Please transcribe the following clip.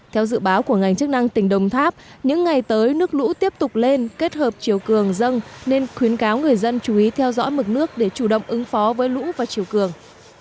theo dự báo của ngành chức năng tỉnh đồng tháp những ngày tới nước lũ tiếp tục lên kết hợp chiều cường dâng nên khuyến cáo người dân chú ý theo dõi mực nước để chủ động ứng phó với lũ và chiều cường